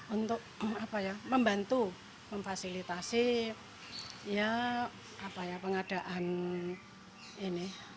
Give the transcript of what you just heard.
untuk membantu memfasilitasi pengadaan ini